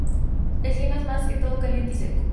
El clima es más que todo caliente y seco.